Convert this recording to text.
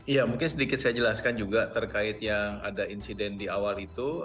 ya mungkin sedikit saya jelaskan juga terkait yang ada insiden di awal itu